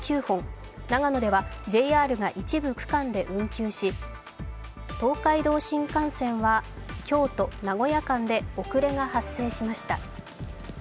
長野ではＪＲが一部区間で運休し東海道新幹線は京都−名古屋間で遅れが発生しました。